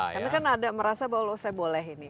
karena kan ada merasa bahwa saya boleh ini